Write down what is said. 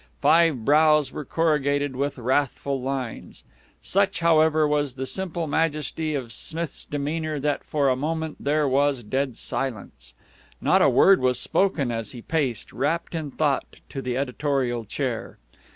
Five brows were corrugated with wrathful lines. Such, however, was the simple majesty of Smith's demeanor that for a moment there was dead silence. Not a word was spoken as he paced, wrapped in thought, to the editorial chair.